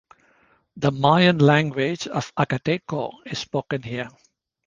The Mayan language of Akateko is spoken here.